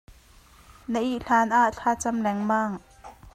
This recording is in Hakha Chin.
Na ih hlan ah thlacam lengmang.